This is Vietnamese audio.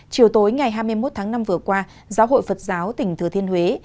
chiều tối ngày hai mươi một tháng năm vừa qua giáo hội phật giáo tỉnh thừa thiên huế